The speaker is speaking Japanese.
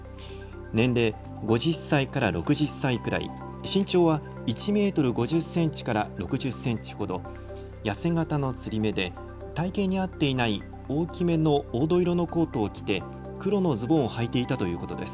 年齢５０歳から６０歳くらい、身長は１メートル５０センチから６０センチほど痩せ型のつり目で体型に合っていない大きめの黄土色のコートを着て黒のズボンをはいていたということです。